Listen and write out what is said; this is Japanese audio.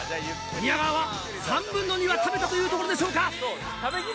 宮川は３分の２は食べたというところでしょうか。